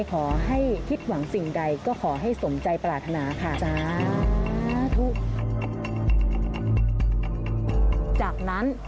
ขอให้คิดหวังสิ่งใดก็ขอให้สมใจปรารถนาค่ะ